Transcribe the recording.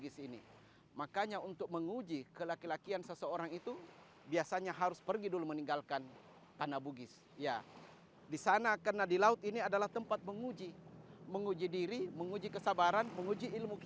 sejak tahun silam